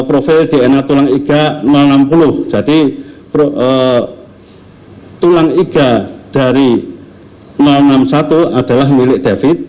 profil dna tulang iga enam puluh jadi tulang iga dari enam puluh satu adalah milik david